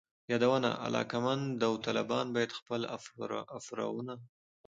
یادونه: علاقمند داوطلبان باید خپل آفرونه